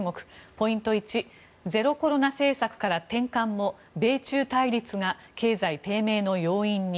ポイント１ゼロコロナ政策から転換も米中対立が経済低迷の要因に。